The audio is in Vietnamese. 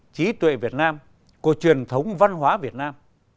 trí tuệ việt nam của truyền thống văn hóa việt nam